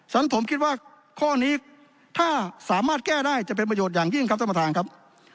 ฉะนั้นผมคิดว่าข้อนี้ถ้าสามารถแก้ได้จะเป็นประโยชน์อย่างยิ่งครับท่านประธานครับ